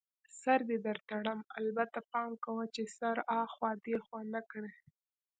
سر دې در تړم، البته پام کوه چي سر اخوا دیخوا نه کړې.